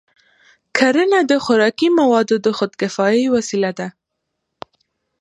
کرنه د خوراکي موادو د خودکفایۍ وسیله ده.